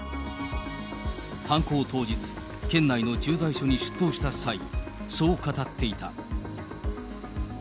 犯行当日、県内の駐在所に出頭した際、そう語っていた。